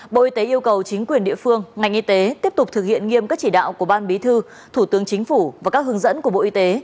bộ y tế yêu cầu chính quyền địa phương ngành y tế tiếp tục thực hiện nghiêm các chỉ đạo của ban bí thư thủ tướng chính phủ và các hướng dẫn của bộ y tế